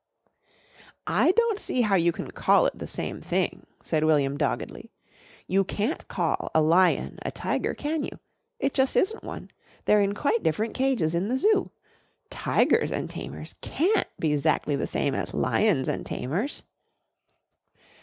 "I don't see how you can call it the same thing," said William doggedly. "You can't call a lion a tiger, can you? It jus' isn't one. They're in quite different cages in the Zoo. 'Tigers an' Tamers' can't be 'zactly the same as 'Lions an' Tamers.'"